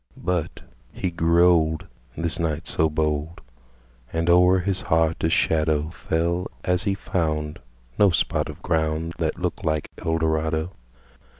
But he grew old This knight so bold And o'er his heart a shadowFell as he foundNo spot of groundThat looked like Eldorado.